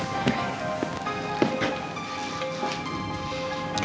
semakin dulu ya